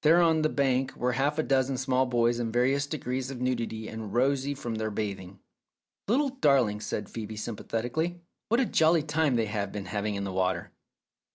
There on the bank were half a dozen small boys in various degrees of nudity, and rosy from their bathing. 302 Philip's Safety Razor "Little darlings!" said Phoebe sympathetically. "What a jolly time they have been having in the water